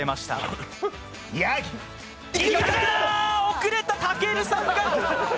遅れた、たけるさんか。